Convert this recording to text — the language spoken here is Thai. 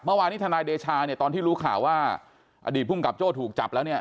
เมื่อวานี้ทนายเดชาตอนที่รู้ข่าวว่าอดีตพุ่งกับโจ้ถูกจับแล้ว